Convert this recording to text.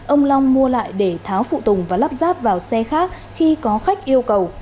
ông long mua lại để tháo phụ tùng và lắp ráp vào xe khác khi có khách yêu cầu